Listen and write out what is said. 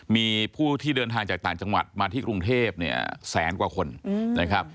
มีผู้ที่เดินทางจากต่างจังหวัดมาที่กรุงเทพเนี่ยแสนกว่าคนนะครับ